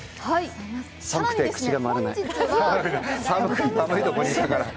寒くて口が回らない。